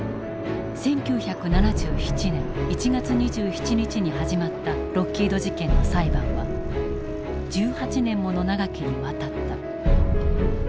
１９７７年１月２７日に始まったロッキード事件の裁判は１８年もの長きにわたった。